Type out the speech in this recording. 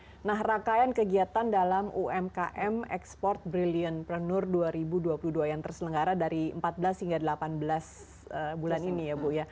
oke nah rangkaian kegiatan dalam umkm export brilliantpreneur dua ribu dua puluh dua yang terselenggara dari empat belas hingga delapan belas bulan ini ya bu ya